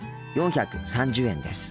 ４３０円です。